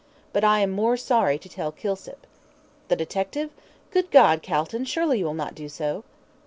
But I am more sorry to tell Kilsip." "The detective? Good God, Calton, surely you will not do so!"